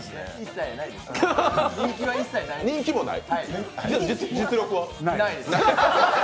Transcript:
人気もない。